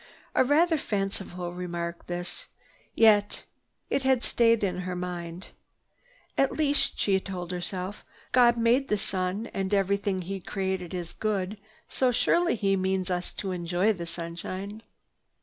A rather fanciful remark this, yet it had stayed in her mind. "At least," she told herself, "God made the sun and everything He created is good, so surely He means us to enjoy the sunshine."